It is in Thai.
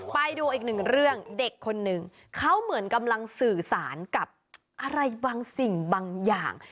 ไปดูอีกหนึ่งเรื่องเด็กคนหนึ่งเขาเหมือนกำลังสื่อสารกับอะไรบางสิ่งบางอย่าง